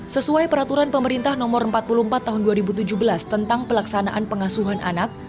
sesuai peraturan pemerintah nomor empat puluh empat tahun dua ribu tujuh belas tentang pelaksanaan pengasuhan anak